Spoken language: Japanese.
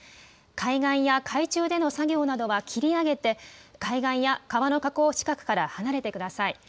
海岸や海中での作業などは切り上げて海岸や川の河口近くから離れてください。